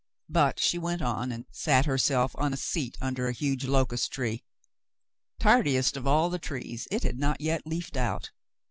But she went on, and sat herself on a seat under a huge locust tree. Tardiest of all the trees, it had not yet leaved out.